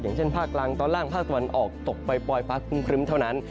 อย่างเช่นภาคกลางตอนล่างภาคตะวันออกตกปล่อยฟ้าครึ้มเท่านั้น